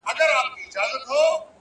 زه چي د شپې خوب كي ږغېږمه دا ـ